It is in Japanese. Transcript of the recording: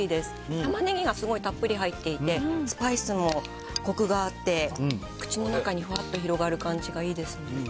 たまねぎがすごいたっぷり入っていて、スパイスもコクがあって、口の中にふわっと広がる感じがいいですね。